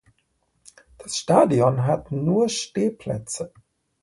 Das Stadion hat nur Stehplätze.